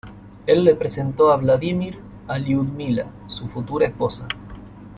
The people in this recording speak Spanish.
Él le presentó a Vladímir a Liudmila, su futura esposa.